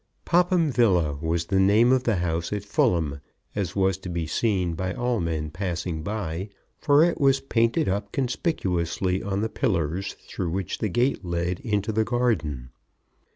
Popham Villa was the name of the house at Fulham, as was to be seen by all men passing by, for it was painted up conspicuously on the pillars through which the gate led into the garden.